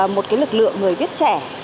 một cái lực lượng người viết trẻ